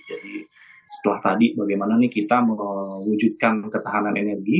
jadi setelah tadi bagaimana nih kita mewujudkan ketahanan energi